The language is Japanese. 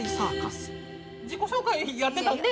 自己紹介やってたんで。